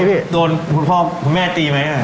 และโดนพ่อคุณแม่ตีไหม